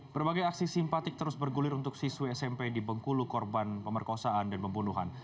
berbagai aksi simpatik terus bergulir untuk siswi smp di bengkulu korban pemerkosaan dan pembunuhan